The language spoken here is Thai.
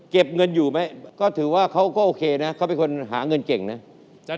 เก็บเงินอยู่ไหมก็ถือว่าเขาก็โอเคนะเขาเป็นคนหาเงินเก่งนะ